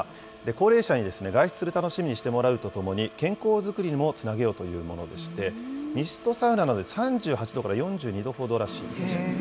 高齢者に外出する楽しみにしてもらうために、健康作りにもつなげようというものでして、ミストサウナが３８度から４２度ほどらしいですね。